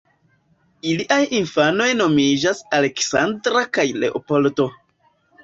Iliaj infanoj nomiĝas Aleksandra kaj Leopoldo.